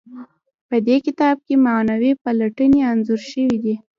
په دې کتاب کې معنوي پلټنې انځور شوي دي.